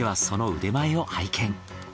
その腕前を拝見。